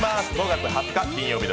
５月２０日